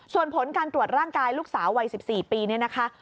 ส่วนผลการตรวจร่างกายลูกสาววัย๑๔ปีเนี่ยนะคะ